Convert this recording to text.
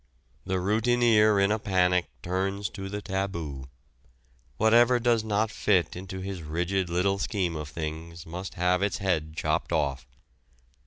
The routineer in a panic turns to the taboo. Whatever does not fit into his rigid little scheme of things must have its head chopped off.